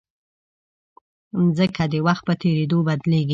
مځکه د وخت په تېرېدو بدلېږي.